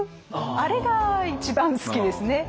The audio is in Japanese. あれが一番好きですね。